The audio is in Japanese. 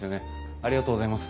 ありがとうございます。